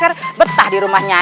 iroh mau minta cipta upaya